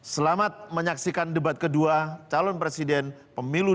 selamat menyaksikan debat kedua calon presiden pemilu dua ribu sembilan belas